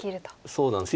そうなんです。